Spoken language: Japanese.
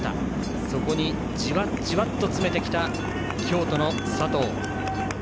そこにじわじわと詰めてきた京都の佐藤。